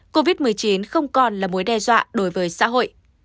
covid một mươi chín không còn là mối đe dọa đối với xã hội